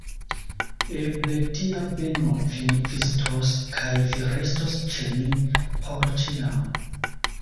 Eble, Dia beno vin vizitos, kaj vi restos ĉe ni por ĉiam!